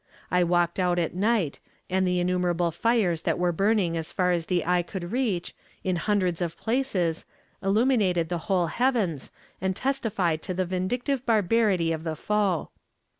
I walked out at night, and the innumerable fires that were burning as far as the eye could reach, in hundreds of places, illuminated the whole heavens, and testified to the vindictive barbarity of the foe.